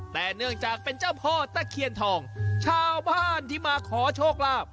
แต่เนื่องจากเป็นเจ้าพ่อตะเคียนทองชาวบ้านที่มาขอโชคลาภ